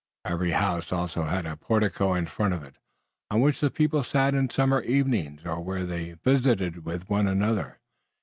Every house also had a portico in front of it, on which the people sat in summer evenings, or where they visited with one another.